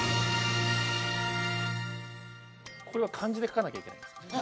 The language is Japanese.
これは漢字で書かなきゃいけないんですよね？